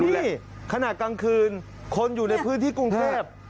นี่ขณะกลางคืนคนอยู่ในพื้นที่กรุงเทพ